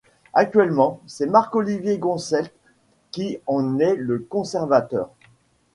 Actuellement, c'est Marc-Olivier Gonseth qui en est le conservateur.